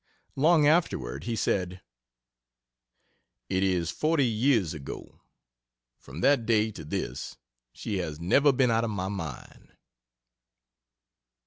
Long afterward he said: "It is forty years ago; from that day to this she has never been out of my mind."